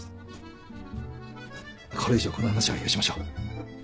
これ以上この話はよしましょう。